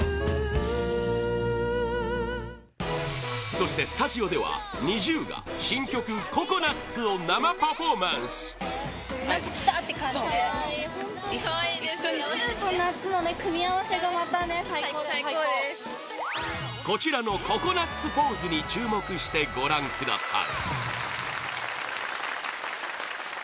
そして、スタジオではＮｉｚｉＵが新曲「ＣＯＣＯＮＵＴ」を生パフォーマンスこちらのココナッツポーズに注目して、ご覧ください